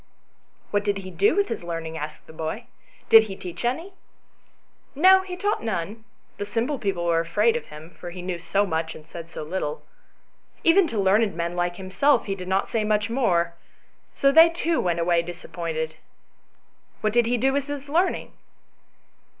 "What did he do with his learning?" asked the boy. " Did he teach any ?" 142 ANYHOW STORIES. [STORY " No, lie taught none : the simple people were afraid of him, for he knew so much and said so little. Even to learned men like himself he did not say much more ; so they too went away disappointed." "What did he do with his learning?"